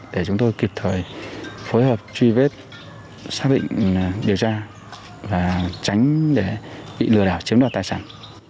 để chúng tôi kịp thời phối hợp truy vết xác định điều tra và tránh để bị lừa đảo chiếm đoạt tài sản